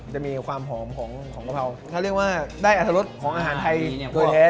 จะมีความหอมของของกะเพราถ้าเรียกว่าได้อรรถรสของอาหารไทยเนี้ย